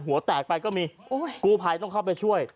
หัวแตกไปก็มีกู้ภัยต้องเข้าไปช่วย